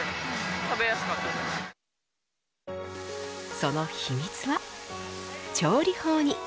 その秘密は調理法に。